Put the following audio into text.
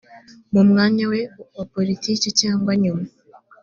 mu mwanya we wa politiki cyangwa nyuma